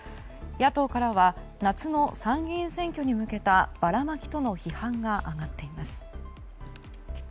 野党からは夏の参議院選挙に向けたばらまきとの批判が上がっています。